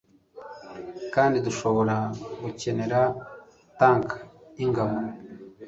kandi dushobora gukenera tank yingabo